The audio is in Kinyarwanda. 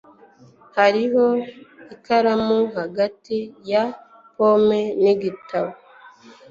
Hariho ikaramu hagati ya pome nigitabo.